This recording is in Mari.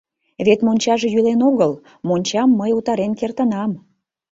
Вет мончаже йӱлен огыл, мончам мый утарен кертынам.